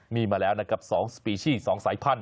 มีมาแล้วนะครับ๒สปีชี๒สายพันธ